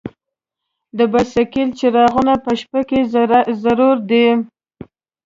د بایسکل څراغونه په شپه کې ضرور دي.